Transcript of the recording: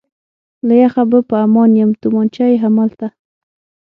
له یخه به په امان یم، تومانچه یې همالته.